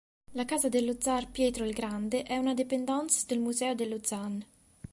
La Casa dello Zar Pietro il Grande è una dépendance del Museo dello Zaan.